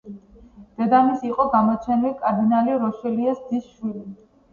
დედამისი იყო გამოჩენილ კარდინალ რიშელიეს დის შვილი.